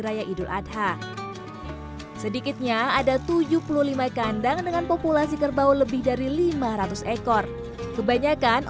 raya idul adha sedikitnya ada tujuh puluh lima kandang dengan populasi kerbau lebih dari lima ratus ekor kebanyakan